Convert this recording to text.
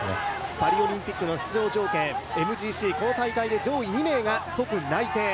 パリオリンピックの出場条件、ＭＧＣ、この大会で、上位２名が即内定。